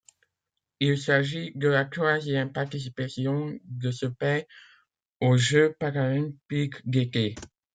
Il s'agit de la troisième participation de ce pays aux Jeux paralympiques d'été.